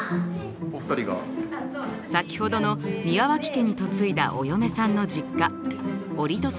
先ほどの宮脇家に嫁いだお嫁さんの実家折戸さんです。